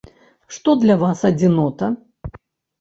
Што для вас адзінота?